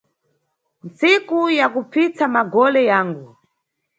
Ntsiku ya kupfitsa magole yangu